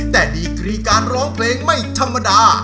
แต่ดีกรีการร้องเพลงไม่ธรรมดา